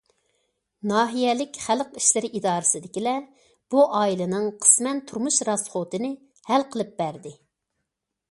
ناھىيەلىك خەلق ئىشلىرى ئىدارىسىدىكىلەر بۇ ئائىلىنىڭ قىسمەن تۇرمۇش راسخوتىنى ھەل قىلىپ بەرى.